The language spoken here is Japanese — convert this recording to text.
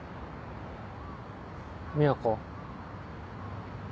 美和子。